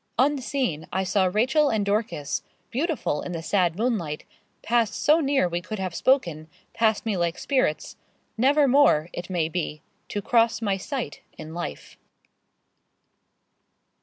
Unseen I saw Rachel and Dorcas, beautiful in the sad moonlight, passed so near we could have spoken passed me like spirits never more, it may be, to cross my sight in life.